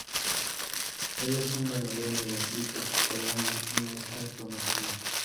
Él es un ganador de la triple corona en esta promoción.